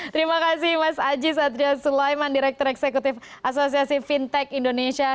terima kasih mas aji satria sulaiman direktur eksekutif asosiasi fintech indonesia